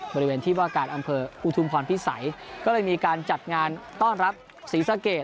บริเวณที่ว่าการอำเภออุทุมพรพิสัยก็เลยมีการจัดงานต้อนรับศรีสะเกด